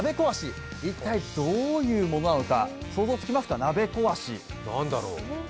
一体どういうものなのか、想像つきますか、鍋壊し。